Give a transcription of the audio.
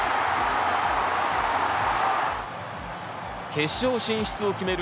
決勝進出を決める